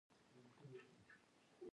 احمد له خپله مشتري پوست کاږي.